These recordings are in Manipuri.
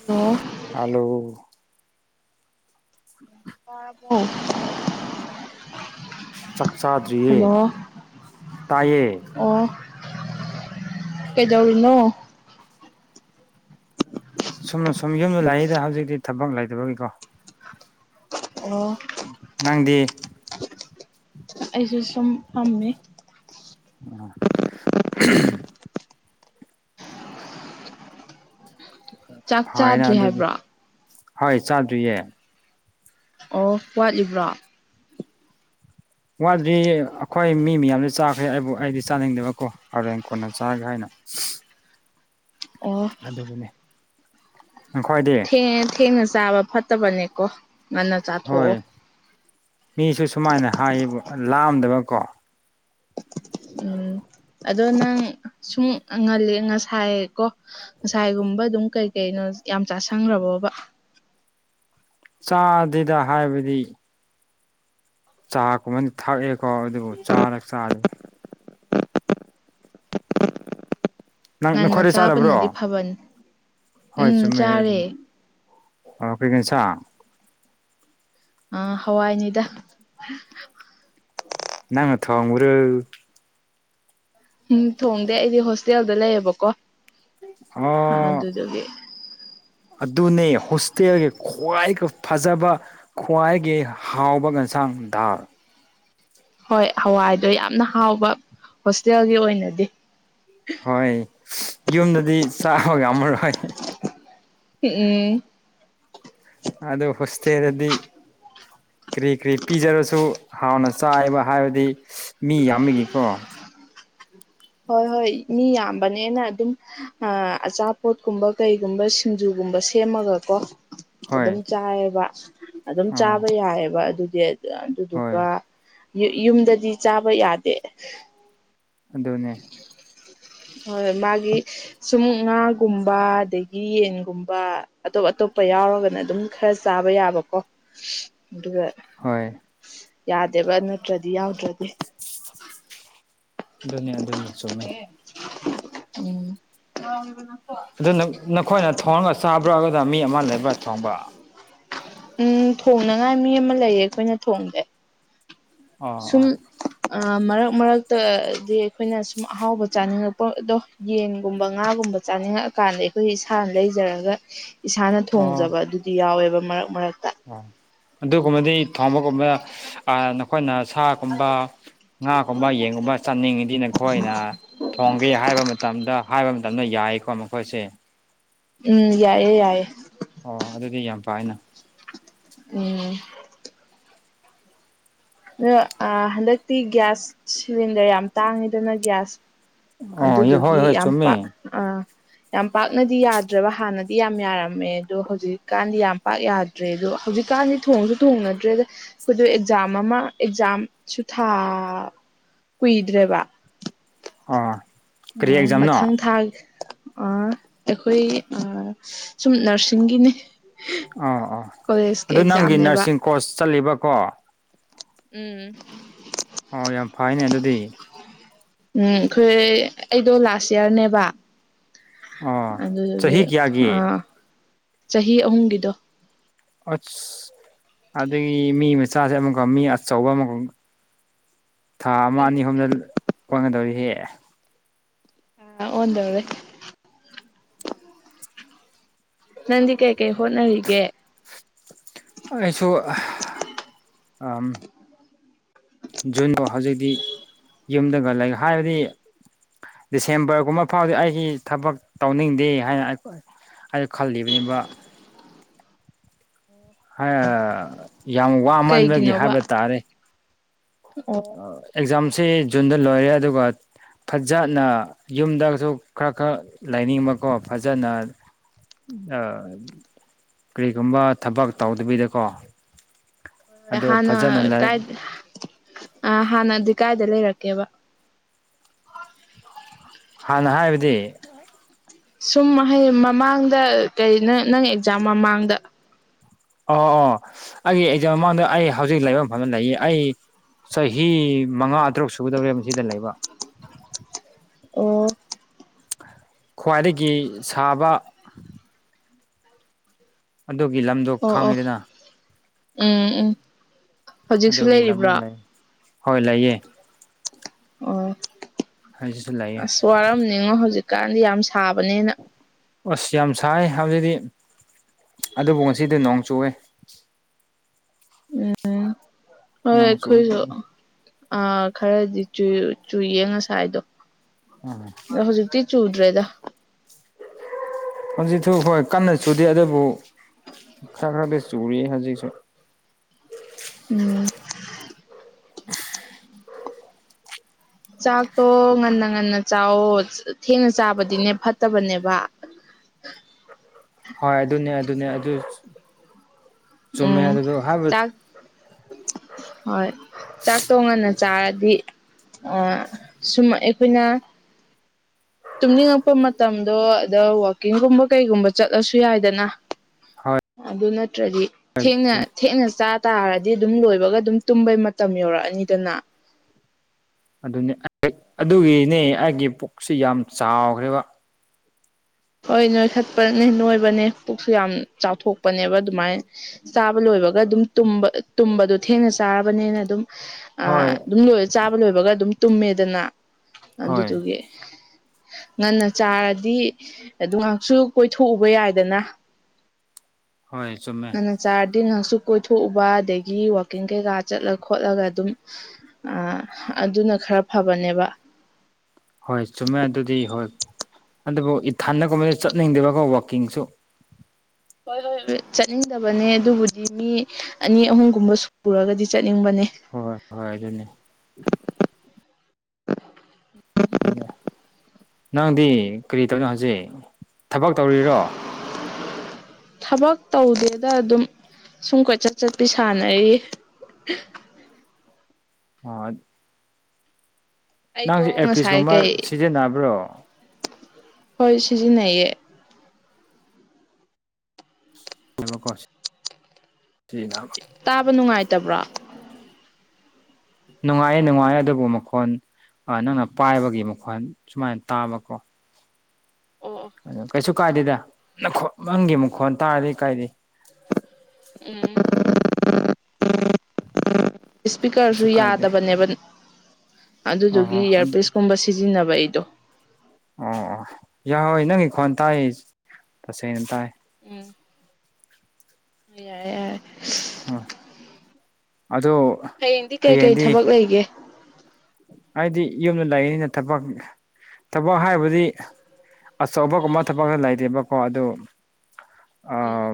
ꯑꫭꯋꫭ ꯍꯂꫭ [inaudible] ꯇꯕꯔꫭ ꯆꯥꯛ ꯆꯥꯗ꯭ꯔꯤꯌꯦ ꯇꯥꯏꯌꯦ ꯑꯣ ꯀꯩꯗꯧꯔꯤꯅꯣ ꯁꯣꯝꯅ ꯁꯨꯝ ꯌꯨꯝꯗ ꯂꯥꯛꯏꯗ ꯍꯧꯖꯤꯛꯇꯤ ꯊꯕꯛ ꯂꯩꯇꯕꯒꯤꯀꯣ ꯑꯣ ꯅꯪꯗꯤ ꯑꯩꯁꯨ ꯁꯨꯝ ꯐꯝꯃꯤ ꯎꯝ [inaudible] ꯆꯥꯛ ꯐꯥꯏꯅ ꯆꯥꯗ꯭ꯔꯤ ꯑꯗꯨꯗꯤ ꯍꯥꯏꯕ꯭ꯔꯣ ꯍꯣꯏ ꯆꯥꯗ꯭ꯔꯤꯌꯦ ꯑꯣ ꯋꯥꯠꯂꯤꯕ꯭ꯔꯣ ꯋꯥꯠꯂꯤ ꯑꯩꯈꯣꯏ ꯃꯤ ꯃꯌꯥꯝꯁꯨ ꯆꯥꯈ꯭ꯔꯦ ꯑꯩꯕꯨ ꯑꯩꯗꯤ ꯆꯥꯅꯤꯡꯗꯕꯀꯣ ꯍꯣꯔꯦꯟ ꯀꯣꯟꯅ ꯆꯥꯒꯦ ꯍꯥꯏꯅ ꯑꯣ ꯑꯗꯨꯒꯤꯅꯦ ꯅꯈꯣꯏꯗꯤ ꯊ ꯊꯦꯡꯅ ꯆꯥꯕ ꯐꯠꯇꯕꯅꯦꯀꯣ ꯉꯟꯅ ꯆꯥꯊꯣꯛꯑꯣ ꯍꯣꯏ ꯃꯤꯁꯨ ꯁꯨꯃꯥꯏꯅ ꯍꯥꯏꯌꯦꯕ ꯂꯥꯝꯗꯕꯀꯣ ꯎꯝ ꯑꯗꯣ ꯅꯪ ꯁꯨꯝ ꯉꯜꯂꯤ ꯉꯁꯥꯏ ꯀꯣ ꯉꯁꯥꯏꯒꯨꯝꯕ ꯑꯗꯨꯝ ꯀꯩ ꯀꯩꯅꯣ ꯌꯥꯝ ꯆꯥꯥꯁꯪꯈ꯭ꯔꯕꯣꯕ ꯆꯥꯗꯦꯗ ꯍꯥꯏꯕꯗꯤ ꯆꯥ ꯀꯨꯝꯕ ꯊꯛꯑꯦꯀꯣ ꯑꯗꯨꯕꯨ ꯆꯥꯔꯒ ꯆꯥꯗꯦ ꯅꯪ ꯅꯈꯣꯏꯋꯥꯔ ꯆꯥꯔꯕ꯭ꯔꯣ ꯊꯕꯟ ꯍꯣꯏ ꯆꯨꯝꯃꯦ ꯑꯗꯨꯗꯤ ꯑꯣ ꯀꯩꯒꯤꯅꯤ ꯁꯥ ꯑꯥ ꯍꯋꯥꯏꯅꯤꯗ [inaudible] ꯉꯡꯅ ꯊꫭꯡꯕꯔꯨ ꯎꯝ ꯊꯣꯡꯗꯦ ꯑꯩꯗꯤ ꯍꯣꯁꯇꯦꯜꯗ ꯂꯩꯌꯦꯕꯀꯣ ꯑꯣ ꯑꯗꯨꯗꯨꯒꯤ ꯑꯗꯨꯅꯦ ꯍꯣꯁꯇꯦꯜꯒꯤ ꯈ꯭ꯋꯥꯏꯒ ꯐꯖꯕ ꯈ꯭ꯋꯥꯏꯒꯤ ꯍꯥꯎꯕ ꯉꯁꯥꯡ ꯗꯥꯜ ꯍꯣꯏ ꯍꯋꯥꯏꯗꯣ ꯌꯥꯝꯅ ꯍꯥꯎꯕ ꯍꯣꯁꯇꯦꯜꯒꯤ ꯑꯣꯏꯅꯗꯤ ꯍꯣꯏ ꯌꯨꯝꯗꯗꯤ ꯆꯥꯕꯒꯝꯃꯔꯣꯏ ꯎ ꯎꯝ ꯑꯗ ꯍꯁꯦꯔꯗꯤ ꯀꯔꯤ ꯀꯔꯤ ꯄꯤꯖꯔꯁꯨ ꯍꯥꯟꯅ ꯆꯥꯏꯕ ꯍꯥꯏꯕꯗꯤ ꯃꯤ ꯌꯥꯝꯕꯒꯤꯀꯣ ꯍꯣꯏ ꯍꯣꯏ ꯃꯤ ꯌꯥꯝꯕꯅꯦꯅ ꯑꯗꯨꯝ ꯑꯆꯥꯄꯣꯠꯀꯨꯝꯕ ꯀꯩꯒꯨꯝꯕ ꯁꯤꯡꯖꯨꯒꯨꯝꯕ ꯁꯦꯝꯃꯒꯀꯣ ꯍꯣꯏ ꯑꯗꯨꯝ ꯆꯥꯏꯑꯕ ꯑꯗꯨꯝ ꯑꯥ ꯆꯥꯕ ꯌꯥꯏꯑꯕ ꯑꯗꯨꯗꯤ ꯍꯣꯏ ꯑꯗꯨꯗꯨꯒ ꯌꯨꯝꯗꯗꯤ ꯆꯥꯕ ꯌꯥꯗꯦ ꯑꯗꯨꯗꯅꯦ ꯍꯣꯏ ꯃꯥꯒꯤ ꯁꯨꯝꯃꯨꯛ ꯉꯥꯒꯨꯝꯕ ꯑꯗꯒꯤ ꯌꯦꯟꯒꯨꯝꯕ ꯑꯇꯣꯞ ꯑꯇꯣꯞꯄ ꯌꯥꯎꯔꯒꯅ ꯑꯗꯨꯝ ꯈꯔ ꯆꯥꯕ ꯌꯥꯕꯀꯣ ꯑꯗꯨꯒ ꯍꯣꯏ ꯌꯥꯗꯦꯕ ꯅꯠꯇ꯭ꯔꯗꯤ ꯌꯥꯎꯗ꯭ꯔꯗꯤ ꯑꯗꯨꯅꯤ ꯑꯗꯨꯅꯤ ꯆꯨꯝꯃꯦ ꯎꯝ ꯑꯗꯨꯅ ꯅꯈꯣꯏꯅ ꯊꯣꯡꯒ ꯆꯥꯕ꯭ꯔꯥꯑꯗꯨꯗ ꯃꯤ ꯑꯃ ꯂꯩꯕ꯭ꯔꯥ ꯊꯣꯡꯕ ꯎꯝ ꯊꯣꯡꯅꯉꯥꯏ ꯃꯤ ꯑꯃ ꯂꯩꯌꯦ ꯑꯩꯈꯣꯏꯅ ꯊꯣꯡꯗꯦ ꯑꯣ ꯁꯨꯝ ꯑꯣ ꯃꯔꯛ ꯃꯔꯛꯇꯗꯤ ꯑꯩꯈꯣꯏꯅ ꯁꯨꯝ ꯑꯍꯥꯎꯕ ꯆꯥꯅꯤꯡꯉꯛꯄ ꯑꯗꯣ ꯌꯦꯟꯒꯨꯝꯕ ꯉꯥꯒꯨꯝꯕ ꯆꯥꯅꯤꯡꯉꯛꯀꯥꯟꯗ ꯑꯩꯈꯣꯏ ꯏꯁꯥꯅ ꯂꯩꯖꯔꯒ ꯏꯁꯥꯅ ꯑꯣ ꯊꯣꯡꯖꯕ ꯑꯗꯨꯗꯤ ꯌꯥꯎꯋꯦꯕ ꯃꯔꯛ ꯃꯔꯛ ꯑꯣ ꯑꯗꯨꯒꯨꯝꯕꯗꯤ ꯊꯣꯡꯕꯒꯨꯝꯕ ꯅꯈꯣꯏꯅ ꯁꯥ ꯀꯨꯝꯕ ꯉꯥꯒꯨꯝꯕ ꯌꯦꯟꯒꯨꯝꯕ ꯆꯥꯅꯤꯡꯉꯤꯗꯤ ꯅꯈꯣꯏꯅ ꯊꯣꯡꯒꯦ ꯍꯥꯏꯕ ꯃꯇꯝꯗ ꯍꯥꯏꯕ ꯃꯇꯝꯗ ꯌꯥꯏꯀꯣ ꯃꯈꯣꯏꯁꯦ ꯎꯝ ꯌꯥꯏꯌꯦ ꯌꯥꯏꯌꯦ ꯑꯣ ꯑꯗꯨꯗꯤ ꯌꯥꯝ ꯄꯥꯏꯅ ꯎꯝ ꯑꯣ ꯑ ꯥ ꯍꯟꯗꯛꯇꯤ ꯒꯤꯒ꯭ꯌꯥꯁ ꯁꯤꯂꯤꯟꯗ꯭ꯔ ꯌꯥꯝ ꯇꯥꯡꯉꯤꯗꯅ ꯒ꯭ꯌꯥꯁ ꯑꯣ ꯍꯣꯏ ꯑꯗꯨꯗꯨꯒꯤ ꯍꯣꯏ ꯌꯥꯝ ꯄ ꯆꯨꯝꯃꯦ ꯑ ꯌꯥꯝ ꯄꯥꯛꯅꯗꯤ ꯌꯥꯗ꯭ꯔꯕ ꯍꯥꯟꯅꯗꯤ ꯌꯥꯝ ꯌꯥꯔꯝꯃꯦ ꯑꯗꯣ ꯍꯧꯖꯤꯛꯀꯥꯟꯗꯤ ꯌꯥꯝ ꯄꯥꯛ ꯌꯥ ꯇꯇ꯭ꯔꯦ ꯑꯗꯣ ꯍꯧꯖꯤꯛꯀꯥꯟꯗꯤ ꯊꯣꯡꯁꯨ ꯊꯣꯡꯅꯗ꯭ꯔꯦꯗ ꯑꯩꯈꯣꯏꯗ ꯑꯦꯛꯖꯥꯝ ꯑꯃ ꯑꯦꯛꯖꯥꯝ ꯁꯨ ꯊꯥ ꯀꯨꯏꯗ꯭ꯔꯦꯕ ꯑꯥ ꯑ ꯃꯊꯪ ꯊꯥꯒꯤ ꯑꯥ ꯑꯩꯈꯣꯏ ꯑꯥ ꯁꯨꯝ ꯅ꯭ꯔꯁꯤꯡꯒꯤꯅꯤ ꯑ ꯑꯣ ꯑꯗꯨ ꯅꯪꯒꯤ ꯑꯦꯛꯖꯥꯝꯅꯦꯕ ꯅꯔꯁꯤꯡ ꯀꯣꯔꯁ ꯆꯠꯂꯤꯕꯀꯣ ꯎꯝ ꯑꯣ ꯌꯥꯝ ꯐꯩꯅꯦ ꯑꯗꯨꯗꯤ ꯎꯝ ꯑꯩꯈꯣꯏ ꯑꯩꯗꯣ ꯂꯥꯁ ꯏꯌꯥꯔꯅꯦꯕ ꯑꯣ ꯑꯗꯨꯗꯨꯒꯤ ꯆꯍꯤ ꯑ ꯀꯌꯥꯒꯤ ꯆꯍꯤ ꯑꯍꯨꯝꯒꯤꯗꯣ ꯑꯁ ꯑꯗꯒꯤ ꯃꯤ ꯃꯆꯥꯁꯦ ꯑꯃꯀ ꯃꯤ ꯑꯆꯧꯕ ꯑꯃꯒ ꯊꯥ ꯑꯃ ꯑꯅꯤ ꯑꯍꯨꯝꯗ ꯀꯣꯟꯒꯗꯧꯔꯤꯍꯦ ꯅꯪ ꯑꫭꯟꯗꫭꯔꯦ ꯅꯡꯗꯤ ꯀꯩꯀꯩ ꯍꯣꯠꯅꯔꯤꯦ ꯑꯩꯁꯨ ꯑꯝ ꯖꯨꯟꯗꯣ ꯍꯧꯖꯤꯛꯇꯤ ꯌꯨꯝꯗꯒ ꯂꯩ ꯍꯥꯏꯕꯗꯤ ꯗꯤꯁꯦꯝꯕ꯭ꯔꯒꯨꯝꯕ ꯐꯥꯎꯗꯤ ꯑꯩꯒꯤ ꯊꯕꯛ ꯇꯧꯅꯤꯡꯗꯦ ꯍꯥꯏꯅ ꯑꯩ ꯑꯩ ꯈꯜꯂꯤꯕꯅꯤꯕ ꯍ ꯌꯥꯝ ꯋꯥꯃꯟꯕꯒꯤ ꯀꯩꯒꯤꯅꯣꯕ ꯍꯥꯏꯕ ꯇꯥꯔꯦ ꯑꯣ ꯑꯦꯛꯖꯥꯝꯁꯤ ꯖꯨꯟꯗ ꯂꯣꯏꯔꯦ ꯑꯗꯨꯒ ꯐꯖꯅ ꯌꯨꯝꯗꯁꯨ ꯈꯔ ꯈꯔ ꯂꯩꯅꯤꯡꯕꯀꯣ ꯐꯖꯅ ꯑ ꯀꯔꯤꯒꯨꯝꯕ ꯊꯕꯛ ꯇꯧꯗꯕꯤꯗꯀꯣ ꯑꯗꯨ ꯍꯥꯟꯅ ꯐꯖꯅ ꯂꯩ ꯀꯥꯏ ꯑ ꯍꯥꯟꯅꯗꯤ ꯀꯥꯏꯗ ꯂꯩꯔꯛꯀꯦꯕ ꯍꯥꯟꯅ ꯍꯥꯏꯕꯗꯤ ꯁꯨꯝ ꯍꯥꯏ [unintelligible] ꯃꯃꯥꯡꯗ ꯀꯔꯤ ꯅꯪ ꯅꯪ ꯑꯦꯛꯖꯥꯝ ꯃꯃꯥꯡꯗ ꯑꯣ ꯑꯣ ꯑꯩꯒꯤ ꯑꯦꯛꯖꯥꯝ ꯃꯃꯥꯡꯗ ꯑꯩ ꯍꯧꯖꯤꯛ ꯂꯩꯥꯕ ꯃꯐꯝꯘ ꯂꯩꯌꯦ ꯑꯩ ꯆꯍꯤ ꯃꯉꯥ ꯇꯔꯨꯛ ꯁꯨꯒꯗꯧꯔꯦꯕ ꯑꯁꯤꯗ ꯂꯩꯕ ꯑꯣ ꯈ꯭ꯋꯥꯏꯗꯒꯤ ꯁꯥꯕ ꯑꯗꯨꯒꯤ ꯂꯝꯗꯣ ꯑꯣ ꯑꯣ ꯈꯪꯉꯤꯗꯅ ꯎꯝ ꯎꯝ ꯍꯧꯖꯤꯛꯁꯨ ꯑꯗꯨꯒꯤ ꯂꯝꯗ ꯂꯩꯔꯤꯕ꯭ꯔꯣ ꯂꯩ ꯍꯣꯏ ꯂꯩꯌꯦ ꯑꯣ ꯍꯧꯖꯤꯛꯁꯨ ꯂꯩꯌꯦ ꯑꯁ ꯋꯥꯔꯝꯅꯤꯉꯣ ꯍꯧꯖꯤꯛꯀꯥꯟꯗꯤ ꯌꯥꯝ ꯁꯥꯕꯅꯤꯅ ꯑꯁ ꯌꯥꯝ ꯁꯥꯏ ꯍꯧꯖꯤꯛꯗꯤ ꯑꯗꯨꯕꯨ ꯉꯁꯤꯗꯤ ꯅꯣꯡ ꯆꯨꯑꯦ ꯎꯝ ꯍꯣꯏ ꯅꯣꯡ ꯆꯨ ꯑꯩꯈꯣꯏꯁꯨ ꯑ ꯈꯔꯗꯤ ꯆꯨ ꯆꯨꯌꯦ ꯉꯁꯥꯏꯗꯣ ꯎꯝ ꯍꯧꯖꯤꯛꯇꯤ ꯆꯨꯗ꯭ꯔꯦꯗ ꯍꯧꯖꯤꯛꯁꯨ ꯍꯣꯏ ꯀꯟꯅ ꯆꯨꯗꯦ ꯑꯗꯨꯕꯨ ꯈꯔꯘꯤ ꯆꯨꯔꯤ ꯍꯧꯖꯤꯛꯁꯨ ꯎꯝ ꯆꯥꯛꯇꯣ ꯉꯟꯅ ꯉꯟꯅ ꯆꯥꯎꯋꯣ ꯊꯦꯡꯅ ꯆꯥꯕꯗꯤꯅꯦ ꯐꯠꯇꯕꯅꯦꯕ ꯍꯣꯏ ꯑꯗꯨꯅꯤ ꯑꯗꯨꯅꯤ ꯑꯗꯨ ꯆꯨꯝꯃꯦ ꯎꯝ ꯑꯗꯨꯗꯣ ꯍꯥꯏꯕ ꯆꯥꯛ ꯍꯣꯏ ꯆꯥꯛꯇꯣ ꯉꯟꯅ ꯆꯥꯔꯗꯤ ꯁꯨꯝ ꯑꯩꯈꯣꯏꯅ [unintelligible] ꯇꯨꯝꯅꯤꯡꯉꯛꯄ ꯃꯇꯝꯗꯣ ꯑꯗ ꯋꯥꯛꯀꯤꯡꯒꯨꯝꯕ ꯀꯩꯒꯨꯝꯕ ꯆꯠꯂꯁꯨ ꯌꯥꯏꯗꯅ ꯍꯣꯏ ꯑꯗꯨ ꯅꯠꯇ꯭ꯔꯗꯤ ꯊꯦꯡꯅ ꯊꯦꯡꯅ ꯆꯥ ꯇꯥꯔꯗꯤ ꯑꯗꯨꯝ ꯂꯣꯏꯕꯒ ꯑꯗꯨꯝ ꯇꯨꯝꯕꯩ ꯃꯇꯝ ꯌꯧꯔꯛꯑꯅꯤꯗꯅ ꯑꯗꯨꯅꯤ ꯑꯗꯨꯒꯤꯅꯦ ꯑꯩꯒꯤ ꯄꯨꯛꯁꯤ ꯌꯥꯝ ꯆꯥꯎꯈ꯭ꯔꯦꯕ ꯍꯣꯏ ꯅꯣꯏꯈꯠꯄꯅꯦ ꯅꯣꯏꯕꯅꯦ ꯄꯨꯛꯁꯨ ꯌꯥꯝ ꯆꯥꯎꯊꯣꯛꯄꯅꯦꯕ ꯑꯗꯨꯃꯥꯏꯅ ꯆꯥꯕ ꯂꯣꯏꯕꯒ ꯑꯗꯨꯝ ꯇꯨꯝꯕꯗꯣ ꯊꯦꯡꯅ ꯆꯥꯔꯕꯅꯤꯅ ꯑꯗꯨꯝ ꯑ ꯍꯣꯏ ꯑꯗꯨꯝ ꯂꯣꯏ ꯆꯥꯕ ꯂꯣꯏꯕꯒ ꯑꯗꯨꯝ ꯇꯨꯝꯃꯦꯗꯅ ꯍꯣꯏ ꯑꯗꯨꯗꯨꯒꯤ ꯉꯟꯅ ꯆꯥꯔꯗꯤ ꯑꯗꯨ ꯉꯥꯏꯍꯥꯛꯁꯨ ꯀꯣꯏꯊꯣꯛꯎꯕ ꯌꯥꯏꯗꯅ ꯍꯣꯏ ꯆꯨꯝꯃꯦ ꯉꯟꯅ ꯆꯥꯔꯗꯤ ꯉꯥꯏꯍꯥꯛꯁꯨ ꯀꯣꯏꯊꯣꯛꯎꯕ ꯑꯗꯒꯤ ꯋꯥꯛꯀꯤꯡ ꯀꯩꯀꯥ ꯆꯠꯂ ꯈꯣꯠꯂꯒ ꯑꯗꯨꯝ ꯑ ꯑꯗꯨꯅ ꯈꯔ ꯐꯕꯅꯦꯕ ꯍꯣꯏ ꯆꯨꯝꯃꯦ ꯑꯗꯨꯗꯤ ꯍꯣꯏ ꯑꯗꯨꯕꯨ ꯏꯊꯟꯗꯒꯨꯝꯕꯗꯤ ꯆꯠꯅꯤꯡꯗꯦꯕꯀꯣ ꯋꯥꯛꯀꯤꯡꯁꯨ ꯍꯣꯏ ꯍꯣꯏ ꯆꯠꯅꯤꯡꯗꯕꯅꯦ ꯑꯗꯨꯕꯨꯗꯤ ꯃꯤ ꯑꯅꯤ ꯑꯍꯨꯝꯒꯨꯝꯕ ꯁꯨꯔꯒꯗꯤ ꯆꯠꯅꯤꯡꯕꯅꯦ ꯍꯣꯏ ꯍꯣꯏ ꯑꯗꯨꯅꯤ ꯅꯪꯗꯤ ꯀꯔꯤ ꯇꯧꯔꯤꯅꯣ ꯍꯧꯖꯤꯛ ꯊꯕꯛ ꯇꯧꯔꯤꯔꯣ ꯊꯕꯛ ꯇꯧꯗꯦꯗ ꯑꯗꯨꯝ ꯁꯨꯝ ꯀꯣꯏꯆꯠ ꯆꯠꯄꯤ ꯁꯥꯟꯅꯩ ꯑ ꯑꯩꯗꯣ ꯅꯪꯁꯦ ꯉꯁꯥꯏ ꯑꯦꯔꯄꯤꯁꯀꯨꯝꯕ ꯀꯩ ꯁꯤꯖꯤꯟꯅꯕ꯭ꯔꯣ ꯍꯣꯏ ꯁꯤꯖꯤ ꯅꯌꯦ ꯃ ꯀꯁꯤ ꯁꯤꯅ ꯇꯥꯕ ꯅꯨꯡꯉꯥꯏꯇꯕ꯭ꯔꯥ ꯅꯨꯡꯉꯥꯏꯌꯦ ꯅꯨꯡꯉꯥꯏꯌꯦ ꯑꯗꯨꯕꯨ ꯃꯈꯣꯟ ꯅꯪꯅ ꯄꯥꯏꯕꯒꯤ ꯃꯈꯣꯟ ꯁꯨꯃꯥꯏꯅ ꯇꯥꯕꯀꯣ ꯑꯣ ꯑꯗꯨ ꯀꯩꯁꯨ ꯀꯥꯏꯗꯦꯗ ꯅꯪ ꯅꯪꯒꯤ ꯃꯈꯨꯛ ꯈꯣꯟ ꯇꯥꯔꯗꯤ ꯀꯥꯏꯗꯦ ꯎꯝ ꯏꯁꯄꯤꯀꯔꯁꯨ ꯀꯩꯁꯨ ꯀꯥꯏꯗꯦ ꯌꯥꯗꯕꯅꯦꯕ ꯑꯗꯨꯗꯨꯒꯤ ꯑꯣ ꯑꯗꯨ ꯏꯌꯥꯔꯄꯤꯁꯀꯨꯝꯕ ꯁꯤꯖꯤꯟꯅꯕ ꯑꯩꯗꯣ ꯑꯣ ꯑꯣ ꯌꯥꯎꯍꯣꯏ ꯅꯪꯒꯤ ꯈ꯭ꯋꯥꯣꯟ ꯇꯥꯏ ꯇꯁꯦꯡꯅ ꯇꯥꯏ ꯎꯝ ꯌꯥꯔꯦ ꯌꯥꯔꯦ ꯎ [unintelligible] ꯍ [unintelligible] ꯑꯗꯣ ꯍꯌꯦꯡꯗꯤ ꯀꯩ ꯀꯩ ꯊꯕꯛ ꯂꯩꯒꯦ ꯍꯥꯏꯗꯤ ꯌꯨꯝꯗ ꯂꯩꯅꯤꯅ ꯊꯕꯛ ꯊꯕꯛ ꯍꯥꯏꯕꯗꯤ ꯑꯆꯧꯕꯒꯨꯝꯕ ꯊꯕꯛ ꯂꯩꯇꯦꯕꯀꯣ ꯑꯗꯨ ꯎꯝ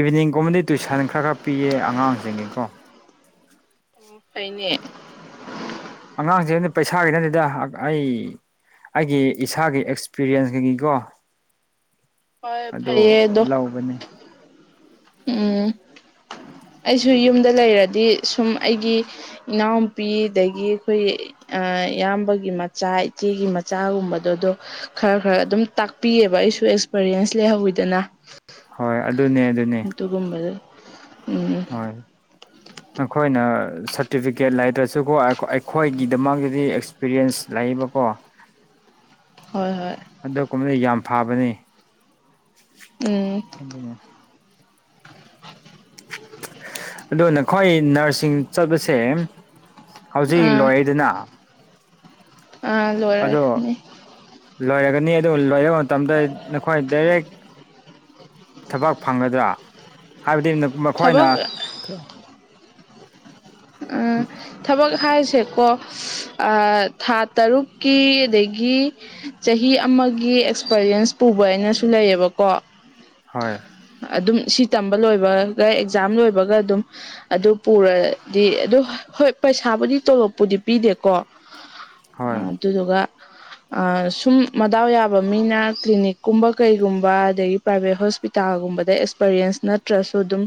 ꯏꯚꯤꯅꯤꯡꯒꯨꯝꯕꯗꯤ ꯇꯨꯏꯁꯟ ꯈꯔ ꯈꯔ ꯄꯤꯌꯦ ꯑꯉꯥꯡꯁꯤꯡꯒꯤꯀꯣ ꯑꯣ ꯐꯥꯏꯅꯦ ꯑꯉꯥꯡꯁꯤꯅ ꯄꯩꯁꯥꯒꯤ ꯅꯅꯤꯗ ꯑꯩ ꯑꯩꯒꯤ ꯏꯁꯥꯒꯤ ꯑꯦꯛꯁꯄꯤꯔꯤꯌꯦꯟꯁ ꯀꯒꯤꯀꯣ ꯍꯣꯏ ꯑꯗꯣ ꯐꯩꯌꯦ ꯑꯗꯣ ꯂꯧꯕꯅꯦ ꯎꯝ ꯑꯩꯁꯨ ꯌꯨꯝꯗ ꯂꯩꯔꯗꯤ ꯁꯨꯝ ꯑꯩꯒꯤ ꯏꯅꯥꯎꯨꯄꯤ ꯑꯗꯒꯤ ꯑꯩꯈꯣꯏ ꯏꯌꯥꯝꯕꯒꯤ ꯃꯆꯥ ꯏꯆꯦꯒꯤ ꯃꯆꯥꯒꯨꯝꯕꯗꯗꯣ ꯈꯔ ꯈꯔ ꯑꯗꯨꯝ ꯇꯥꯛꯄꯤꯑꯕ ꯑꯩꯁꯨ ꯑꯦꯛꯁꯄꯔꯤꯌꯦꯟꯁ ꯂꯩꯍꯧꯋꯤꯗꯅ ꯍꯣꯏ ꯑꯗꯨꯅꯦ ꯑꯗꯨꯅꯤ ꯇꯒꯨꯝꯕꯗ ꯎꯝ ꯍꯣꯏ ꯅꯈꯣꯏꯅ ꯁꯥꯔꯇꯤꯐꯤꯀꯦꯠ ꯂꯩꯗ꯭ꯔꯁꯨꯀꯣ ꯑꯩꯈꯣꯏꯒꯤꯗꯃꯛꯇꯗꯤ ꯑꯦꯛꯁꯄꯤꯔꯤꯌꯦꯟꯁ ꯂꯩꯌꯦꯕꯀꯣ ꯍꯣꯏ ꯍꯣꯏ ꯑꯗꯨꯒ ꯀꯨꯝꯕꯗ ꯌꯥꯝ ꯐꯕꯅꯤ ꯎꯝ ꯍꯅꯦ ꯑꯗꯣ ꯅꯈꯣꯏ ꯅꯔꯁꯁꯤꯡ ꯆꯠꯄꯁꯦ ꯍꯧꯖꯤꯛ ꯑꯥ ꯂꯣꯏꯔꯤꯗꯅ ꯑ ꯑꯗꯣ ꯂꯣꯏꯔꯒꯅꯤ ꯑꯗꯨ ꯂꯣꯏꯔꯕ ꯃꯇꯝꯗ ꯅꯈꯣꯏ ꯗꯥꯏꯔꯦꯛ ꯊꯕꯛ ꯐꯪꯒꯗ꯭ꯔꯥ ꯍꯥꯏꯕꯗꯤ ꯃꯈꯣꯏꯅ ꯊꯕꯛ ꯎꯝ ꯊꯕꯛ ꯍꯥꯏꯁꯦꯀꯣ ꯊꯥ ꯇꯔꯨꯛꯀꯤ ꯑꯗꯒꯤ ꯆꯍꯤ ꯑꯃꯒꯤ ꯑꯦꯛꯁꯄꯔꯤꯌꯦꯟꯁ ꯄꯨꯕ ꯍꯥꯏꯅꯁꯨ ꯂꯩꯑꯕꯀꯣ ꯍꯣꯏ ꯑꯗꯨꯝ ꯁꯤ ꯇꯝꯕ ꯂꯣꯏꯕꯒ ꯑꯦꯛꯖꯥꯝ ꯂꯣꯏꯕꯒ ꯑꯗꯨꯝ ꯑꯗꯨ ꯄꯨꯔꯗꯤ ꯑꯗꯨ ꯍꯣꯏ ꯄꯩꯁꯥꯕꯨꯗꯤ ꯇꯣꯂꯣꯞꯄꯨꯗꯤ ꯄꯤꯗꯦꯀꯣ ꯍꯣꯏ ꯑꯗꯨꯗꯨꯒ ꯁꯨꯝ ꯃꯗꯥꯎ ꯌꯥꯕ ꯃꯤꯅ ꯀ꯭ꯂꯤꯅꯤꯛꯀꯨꯝꯕ ꯀꯩꯒꯨꯝꯕ ꯑꯗꯒꯤ ꯄ꯭ꯔꯥꯏꯚꯦꯠ ꯍꯣꯁꯄꯤꯇꯥꯜꯒꯨꯝꯕꯗ ꯑꯦꯛꯁꯄꯔꯤꯌꯦꯟꯁ ꯅꯠꯇ꯭ꯔꯁꯨ ꯑꯗꯨꯝ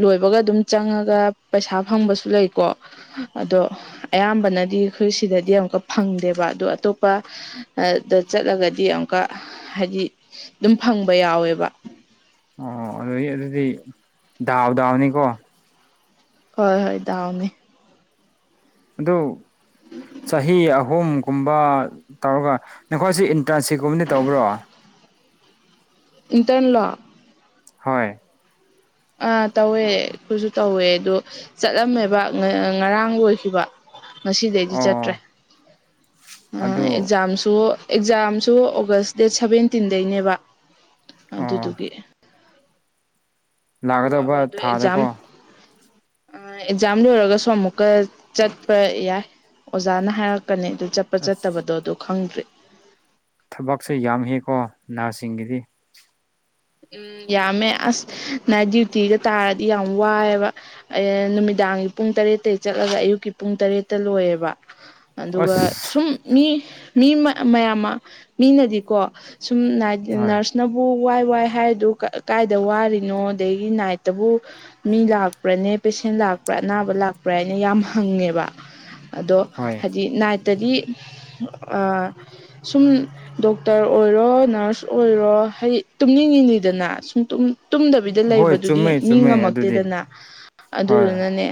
ꯂꯣꯏꯕꯒ ꯑꯗꯨꯝ ꯆꯪꯉꯒ ꯄꯩꯁꯥ ꯐꯪꯕꯁꯨ ꯂꯩꯀꯣ ꯑꯗꯣ ꯑꯌꯥꯝꯕꯅꯗꯤ ꯑꯩꯈꯣꯏ ꯁꯤꯗꯗꯤ ꯑꯃꯨꯛꯀ ꯐꯪꯗꯦꯕ ꯑꯗꯣ ꯑꯇꯣꯞꯄ ꯑꯗ ꯆꯠꯂꯒꯗꯤ ꯑꯃꯨꯛꯀ ꯍꯥꯏꯗꯤ ꯑꯗꯨꯝ ꯐꯪꯕ ꯌꯥꯎꯋꯦꯕ ꯑꯣ ꯑꯗꯩꯒꯤ ꯑꯗꯨꯗꯤ ꯗꯥꯎ ꯗꯥꯎꯅꯤꯀꯣ ꯍꯣꯏ ꯍꯣꯏ ꯗꯥꯎꯅꯦ ꯑꯗꯣ ꯆꯍꯤ ꯑꯍꯨꯝꯒꯨꯝꯕ ꯇꯧꯔꯒ ꯅꯈꯣꯏꯁꯤ ꯏꯟꯇ꯭ꯔꯥꯟꯁꯤꯞꯀꯨꯝꯕꯗꯤ ꯇꯧꯕ꯭ꯔꯣ ꯏꯟꯇꯔꯟꯂꯣ ꯍꯣꯏ ꯑꯥ ꯇꯧꯋꯦ ꯑꯩꯈꯣꯏꯁꯨ ꯇꯧꯋꯦ ꯑꯗꯣ ꯆꯠꯂꯝꯃꯦꯕ ꯉꯔꯥꯡ ꯂꯣꯏꯈꯤꯕ ꯉꯁꯤꯗꯩꯗꯤ ꯆꯠꯇ꯭ꯔꯦ ꯑꯣ ꯑꯗꯨ ꯑꯦꯛꯖꯥꯝꯁꯨ ꯑꯦꯛꯖꯥꯝꯁꯨ ꯑꯣꯒꯁ ꯗꯦꯠ ꯁꯕꯦꯟꯇꯤꯟꯗꯩꯅꯦꯕ ꯑꯣ ꯑꯗꯨꯗꯨꯒꯤ ꯇꯣ ꯂꯥꯛꯀꯗꯧꯕ ꯑꯋꯥꯗ ꯑꯦꯖꯝ ꯊꯥꯗꯀꯣ ꯑꯦꯛꯖꯥꯝ ꯂꯣꯏꯔꯒꯁꯨ ꯑꯃꯨꯛꯀ ꯆꯠꯄ ꯌꯥꯏ ꯑꯣꯖꯥꯅ ꯍꯥꯏꯔꯛꯀꯅꯤ ꯑꯗꯨ ꯆꯠꯄ ꯑꯁ ꯆꯠꯇꯕꯗꯣ ꯑꯗꯨ ꯈꯪꯗ꯭ꯔꯦ ꯊꯕꯛꯁꯦ ꯌꯥꯝ ꯍꯀꯣ ꯅꯍꯔꯁꯁꯤꯡꯒꯤꯗꯤ ꯎꯝ ꯌꯥꯝꯃꯦ ꯑꯁ ꯅ ꯗ꯭ꯌꯨꯇꯤꯗ ꯇꯥꯔꯗꯤ ꯌꯥꯝ ꯋꯥꯏꯑꯦꯕ ꯅꯨꯃꯤꯗꯥꯡꯒꯤ ꯄꯨꯡ ꯇꯔꯦꯠꯇꯇꯩꯒꯤ ꯆꯠꯂꯒ ꯑꯌꯨꯛꯀꯤ ꯄꯨꯡ ꯇꯔꯦꯠꯇ ꯂꯣꯏꯌꯦꯕ ꯑꯗꯨꯒ ꯑꯁ ꯁꯨꯝ ꯃꯤ ꯃꯤ ꯃꯌꯥꯝ ꯑꯃ ꯃꯤꯅꯗꯤꯀꯣ ꯁꯨꯝ ꯅꯥꯏꯠ ꯍꯣꯏ ꯅꯔꯁꯅꯕꯨ ꯋꯥꯏ ꯋꯥꯏ ꯍꯥꯏꯗꯨ ꯀꯥꯏꯗ ꯋꯥꯔꯤꯅꯣ ꯑꯗꯒꯤ ꯅꯥꯏꯠꯇꯕꯨ ꯃꯤ ꯂꯥꯛꯄ꯭ꯔꯅꯦ ꯄꯦꯁꯦꯟ ꯂꯥꯛꯄ꯭ꯔꯥ ꯑꯅꯥꯕ ꯂꯥꯛꯄ꯭ꯔꯥ ꯍꯥꯏꯅ ꯌꯥꯝ ꯍꯪꯉꯦꯕ ꯑꯗꯣ ꯍꯣꯏ ꯍꯥꯏꯗꯤ ꯅꯥꯏꯠꯇꯗꯤ ꯁꯨꯝ ꯗꯣꯛꯇꯔ ꯑꯣꯏꯔꯣ ꯅꯔꯁ ꯑꯣꯏꯔꯣ ꯍꯥꯏꯗꯤ ꯇꯨꯝꯅꯤꯡ ꯅꯤꯡꯉꯤꯗꯅ ꯁꯨꯝ ꯇꯨꯝꯅꯤꯡ ꯇꯨꯝꯗꯕꯤꯗ ꯍꯣꯏ ꯂꯩꯕꯗꯨꯗꯤ ꯆꯨꯝꯃꯦ ꯃꯤ ꯆꯨꯝꯃꯦ ꯑꯗꯨꯗꯤ ꯉꯝꯃꯛꯇꯦꯗꯅ ꯍꯣꯏ ꯑꯗꯨꯗꯨꯅꯅꯦ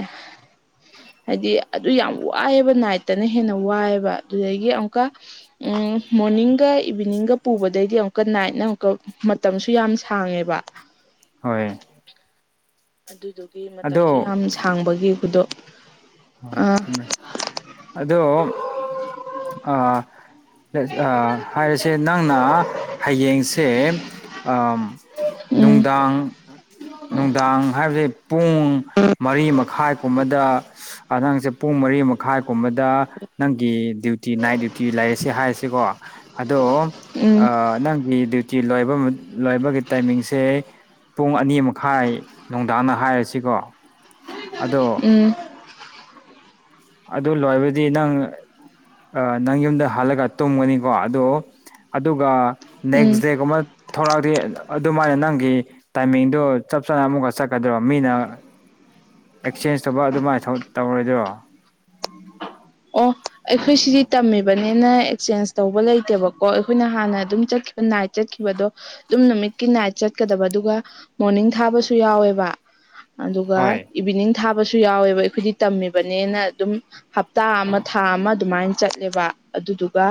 ꯍꯥꯏꯗꯤ ꯑꯗꯨ ꯌꯥꯝ ꯋꯥꯏꯑꯦꯕ ꯅꯥꯏꯠꯇꯅ ꯍꯦꯟꯅ ꯋꯥꯏꯑꯦꯕ ꯑꯗꯨꯗꯒꯤ ꯑꯃꯨꯛꯀ ꯎꯝ ꯃꯣꯔꯅꯤꯡꯒ ꯏꯚꯤꯅꯤꯡꯒ ꯄꯨꯕꯗꯩꯗꯤ ꯑꯃꯨꯛꯀ ꯅꯥꯏꯠꯅ ꯑꯃꯨꯛꯀ ꯃꯇꯝꯁꯨ ꯌꯥꯝ ꯁꯥꯡꯉꯦꯕ ꯍꯣꯏ ꯑꯗꯨꯗꯨꯒꯤ ꯑꯗꯣ ꯃꯇꯝꯁꯨ ꯌꯥꯝ ꯁꯥꯡꯕꯒꯤ ꯈꯨꯗꯣ ꯍꯣꯏ ꯑ ꯆꯨꯝꯃꯦ ꯑꯗꯣ ꯑ ꯍꯥꯏꯔꯤꯁꯦ ꯅꯪꯅ ꯍꯌꯦꯡꯁꯦ ꯑ ꯎꯝ ꯅꯨꯡꯗꯥꯡ ꯅꯨꯡꯗꯥꯡ ꯍꯥꯏꯕꯗꯤ ꯄꯨꯡ ꯃꯔꯤ ꯃꯈꯥꯏ ꯀꯨꯝꯕꯗ ꯅꯪꯁꯦ ꯄꯨꯡ ꯃꯔꯤ ꯃꯈꯥꯏꯒꯨꯝꯕꯗ ꯅꯪꯒꯤ ꯗ꯭ꯌꯨꯇꯤ ꯅꯥꯏꯠ ꯗ꯭ꯌꯨꯇꯤ ꯂꯩꯔꯁꯦ ꯍꯥꯏꯔꯁꯤꯀꯣ ꯑꯗꯣ ꯎꯝ ꯅꯪꯒꯤ ꯗ꯭ꯌꯨꯇꯤ ꯂꯣꯏꯕ ꯂꯣꯏꯕꯒꯤ ꯇꯥꯏꯃꯤꯡꯁꯦ ꯄꯨꯡ ꯑꯅꯤ ꯃꯈꯥꯏ ꯅꯨꯡꯗꯥꯡꯅ ꯍꯥꯏꯔꯁꯤꯀꯣ ꯑꯗꯣ ꯎꯝ ꯑꯗꯨ ꯂꯣꯏꯕꯗꯤ ꯅꯪ ꯅꯪ ꯌꯨꯝꯗ ꯍꯜꯂꯒ ꯇꯨꯝꯒꯅꯤꯀꯣ ꯑꯗꯣ ꯑꯗꯨꯒ ꯎꯝ ꯅꯪꯒꯤꯖꯦ ꯀꯃꯥꯏ ꯊꯂꯛꯑꯗꯤ ꯑꯗꯨꯃꯥꯏꯅ ꯅꯪꯒꯤ ꯇꯥꯏꯃꯤꯡꯗꯨ ꯆꯞ ꯆꯥꯅ ꯑꯃꯨꯛꯀ ꯆꯛꯀꯗ꯭ꯔꯣ ꯃꯤꯅ ꯑꯦꯛꯆꯦꯟꯖ ꯇꯧꯕ ꯑꯗꯨꯃꯥꯏꯅ ꯇꯧꯔꯣꯏꯗ꯭ꯔꯣ ꯑꯣ ꯑꯩꯈꯣꯏ ꯁꯤꯗꯤ ꯇꯝꯃꯤꯕꯅꯤꯅ ꯑꯦꯛꯆꯦꯟꯖ ꯇꯧꯕ ꯂꯩꯇꯦꯕꯀꯣ ꯑꯩꯈꯣꯏꯅ ꯍꯥꯟꯅ ꯑꯗꯨꯝ ꯆꯠ ꯅꯥꯏꯠ ꯆꯠꯈꯤꯕꯗꯣ ꯑꯗꯨꯝ ꯅꯨꯃꯤꯠꯀꯤ ꯅꯥꯏꯠ ꯆꯠꯀꯗꯕ ꯑꯗꯨꯒ ꯃꯣꯔꯅꯤꯡ ꯊꯥꯕꯁꯨ ꯌꯥꯎꯋꯦꯕ ꯑꯗꯨꯒ ꯍꯣꯏ ꯏꯚꯤꯅꯤꯡ ꯊꯥꯕꯁꯨ ꯌꯥꯎꯋꯦꯕ ꯑꯩꯈꯣꯏꯗꯤ ꯇꯝꯃꯤꯕꯅꯦꯅ ꯑꯗꯨꯝ ꯇꯥ ꯑꯃ ꯊꯥ ꯑꯃ ꯑꯗꯨꯃꯥꯏꯅ ꯆꯠꯂꯦꯕ ꯑꯗꯨꯗꯨꯒ